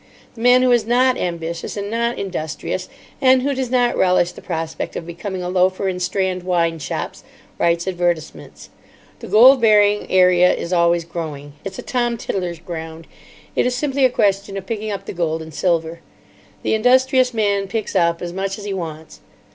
The man who is not ambitious and not industrious, and who does not relish the prospect of becoming a loafer in Strand wine shops, writes advertisements. The gold bearing area is always growing. It's a Tom Tiddler's ground. It is simply a question of picking up the gold and silver. The industrious man picks up as much as he wants.